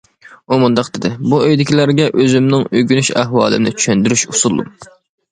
ئۇ مۇنداق دېدى: بۇ ئۆيدىكىلەرگە ئۆزۈمنىڭ ئۆگىنىش ئەھۋالىمنى چۈشەندۈرۈش ئۇسۇلۇم.